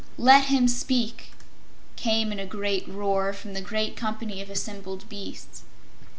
"Let him speak!" came in a great roar from the great company of assembled beasts.